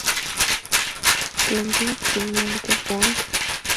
Kennedy y Elijah Burke.